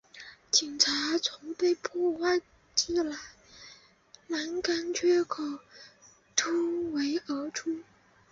警察从被破坏之栅栏缺口突围而出